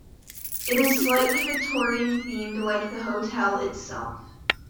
It is slightly Victorian themed, like the hotel itself.